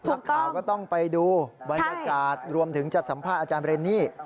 นักข่าวก็ต้องไปดูบรรยากาศรวมถึงจะสัมภาษณ์อาจารย์เรนนี่